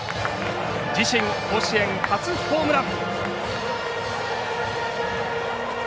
自身、甲子園初ホームラン。